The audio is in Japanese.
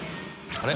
あれ？